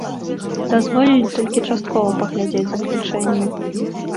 Дазволілі толькі часткова паглядзець заключэнне.